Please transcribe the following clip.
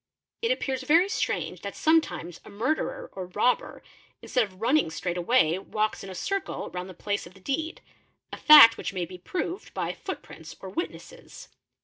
It appears very strange that sometimes a murderer or robber ns ead of running straight away walks in a circle round the place of the deed, a fact which may be proved by footprints or witnesses.